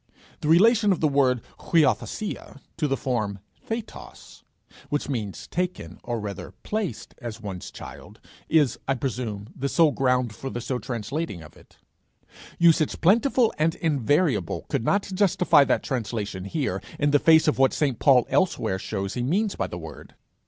The relation of the word [Greek: niothesia] to the form [Greek: thetos], which means "taken," or rather, "placed as one's child," is, I presume, the sole ground for the so translating of it: usage plentiful and invariable could not justify that translation here, in the face of what St. Paul elsewhere shows he means by the word.